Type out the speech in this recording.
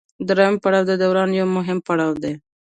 دریم پړاو د دوران یو مهم پړاو دی